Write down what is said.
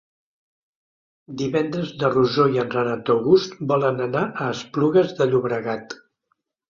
Divendres na Rosó i en Renat August volen anar a Esplugues de Llobregat.